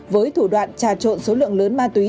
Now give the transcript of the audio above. với thủ đoạn trà trộn số lượng lớn ma túy